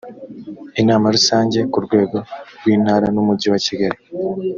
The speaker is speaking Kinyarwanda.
inama rusange ku rwego rw intara n umujyi wa kigali